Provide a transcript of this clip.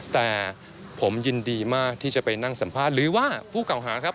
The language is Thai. แต่ผมยินดีมากที่จะไปนั่งสัมภาษณ์หรือว่าผู้เก่าหาครับ